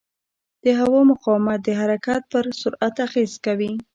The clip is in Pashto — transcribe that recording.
د هوا مقاومت د حرکت پر سرعت اغېز کوي.